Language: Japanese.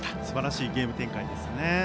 すばらしいゲーム展開ですね。